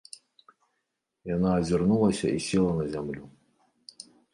Яна азірнулася і села на зямлю.